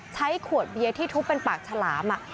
ใช้ขวดเบียร์ที่ทุบเป็นปากฉลาม